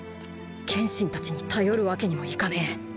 剣心たちに頼るわけにもいかねえ